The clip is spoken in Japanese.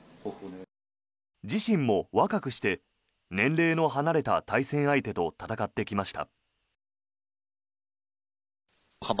自身も若くして年齢の離れた対戦相手と戦ってきました。